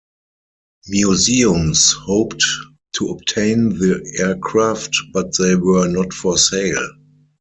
Museums hoped to obtain the aircraft, but they were not for sale.